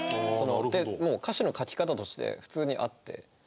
もう歌詞の書き方として普通にあって。